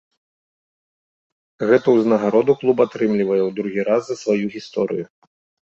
Гэтую ўзнагароду клуб атрымлівае ў другі раз за сваю гісторыю.